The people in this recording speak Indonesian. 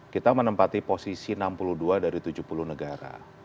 kita menempati posisi enam puluh dua dari tujuh puluh negara